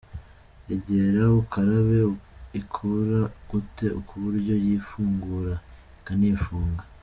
Egera ukarabe ikora gute kuburyo yifungura, ikanifunga ?.